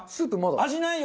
味ないよ！